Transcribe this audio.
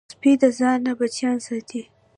سپي د ځان نه بچیان ساتي.